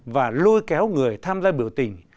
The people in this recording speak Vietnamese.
và lôi kéo người tham gia biểu tình